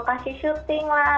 lokasi shooting drama lah k pop lah